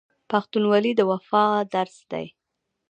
پښتونولي د وفا درس دی.